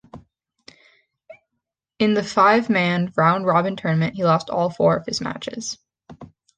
In the five-man, round-robin tournament, he lost all four of his matches.